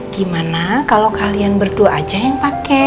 gimana kalau kalian berdua aja yang pakai